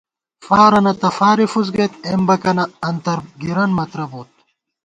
فارَنہ تہ فارےفُس گَئیت، اېمبَکَنہ انترگِرَن مترہ بوت